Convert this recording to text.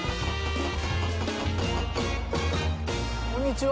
こんにちは。